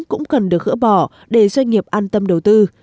cũng cần được gỡ bỏ để doanh nghiệp an tâm đầu tư